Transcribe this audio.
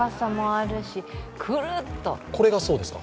これがそうですか。